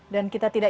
dan kita tidak ingat